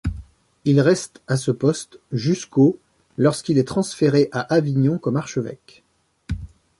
Il reste à ce poste jusqu'au lorsqu'il est transféré à Avignon comme archevêque.